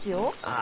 あ。